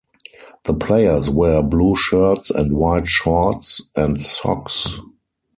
The players wear blue shirts and white shorts and socks.